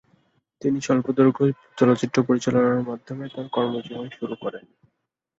তিনি স্বল্পদৈর্ঘ্য চলচ্চিত্র পরিচালনার মাধ্যমে তার কর্মজীবন শুরু করেন।